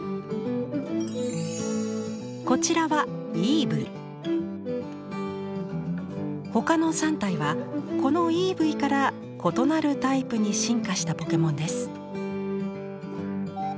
こちらは他の３体はこのイーブイから異なるタイプに進化したポケモンです。